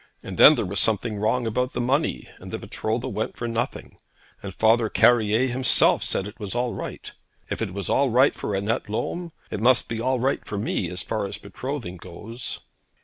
And then there was something wrong about the money; and the betrothal went for nothing, and Father Carrier himself said it was all right. If it was all right for Annette Lolme, it must be all right for me as far as betrothing goes.'